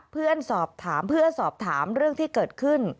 เพื่อนสอบถามเพื่อสอบถามเรื่องที่เกิดขึ้น